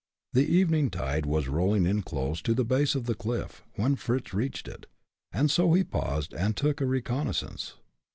The evening tide was rolling in close to the base of the cliff, when Fritz reached it, and so he paused and took a reconnoissance.